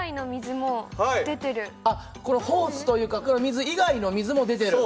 このホースというかこの水以外の水も出てる。